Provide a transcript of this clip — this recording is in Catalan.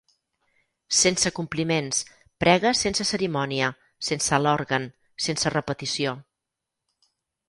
Sense compliments, prega sense cerimònia, sense l'òrgan, sense repetició